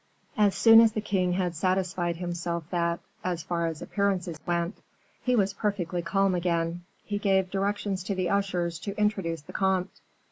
As soon as the king had satisfied himself that, as far as appearances went, he was perfectly calm again, he gave directions to the ushers to introduce the comte.